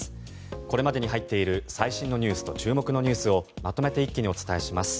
これまでに入っている注目ニュースと最新ニュースをまとめて一気にお伝えします。